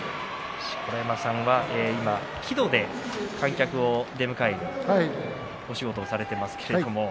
錣山さんは木戸で観客を迎える仕事をされています。